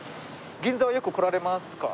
銀座はよく来られますか？